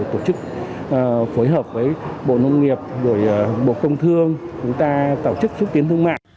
tổ chức phối hợp với bộ nông nghiệp bộ công thương chúng ta tạo chức xuất tiến thương mạng